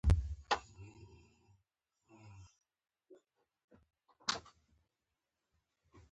ډېرو خلکو ته سلامي وکړئ دا یو حقیقت دی.